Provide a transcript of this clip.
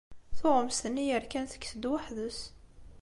Tuɣmest-nni yerkan tekkes-d weḥd-s.